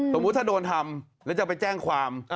สมมุติถ้าโดนทำแล้วจะไปแจ้งความ